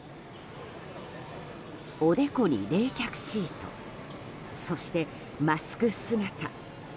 おでこに冷却シートそして、マスク姿。